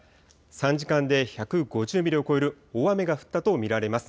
３時間で１５０ミリを超える大雨が降ったと見られます。